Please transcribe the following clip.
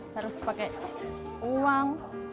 harus pakai uang